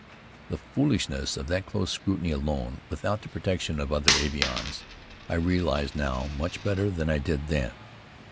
The foolishness of that close scrutiny alone, without the protection of other avions, I realize now much better than I did then.